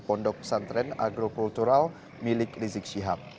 pondok pesantren agrokultural milik rizik syihab